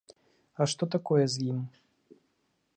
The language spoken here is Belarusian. А што такое з ім?